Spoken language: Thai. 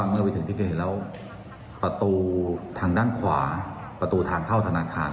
เมื่อไปถึงที่เกิดเหตุแล้วประตูทางด้านขวาประตูทางเข้าธนาคาร